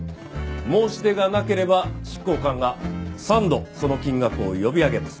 申し出がなければ執行官が３度その金額を呼び上げます。